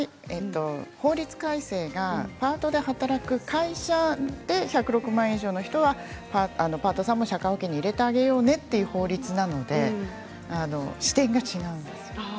法律改正がパートで働く会社で１０６万円以上の人はパートさんも社会保険に入れてあげようねという法律なので視点が違うんですよ。